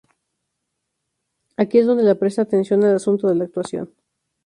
Aquí es donde le presta atención al asunto de la actuación.